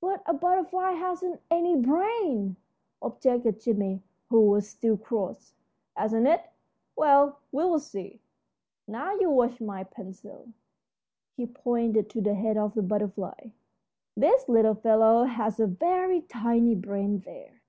"But a butterfly hasn't any brain," objected Jimmie, who was still cross. "Hasn't it? Well, we'll see. Now, you watch my pencil." He pointed to the head of the butterfly. "This little fellow has a very tiny brain there.